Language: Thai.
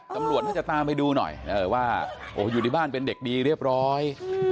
ตำรวจน่าจะตามไปดูหน่อยว่าอยู่ที่บ้านเป็นเด็กดีเรียบร้อย